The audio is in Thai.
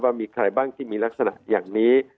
มีใครบ้างที่มีลักษณะอย่างนี้